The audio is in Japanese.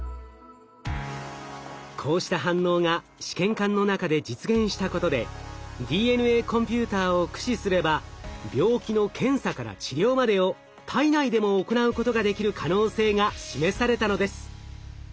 こうした反応が試験管の中で実現したことでＤＮＡコンピューターを駆使すれば病気の検査から治療までを体内でも行うことができる可能性が示されたのです。